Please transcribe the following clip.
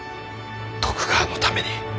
徳川のために。